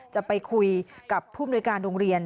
จะไปคุยกับผู้มนุยการโรงเรียน